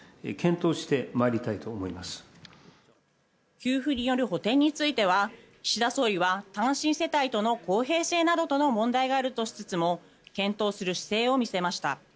給付による補てんについては岸田総理は単身世帯との公平性などとの問題があるとしつつも検討する姿勢を見せました。